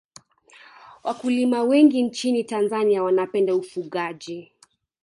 Wakulima wengi nchini tanzania wanapenda ufugaji